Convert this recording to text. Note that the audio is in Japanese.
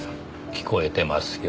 聞こえてますよ。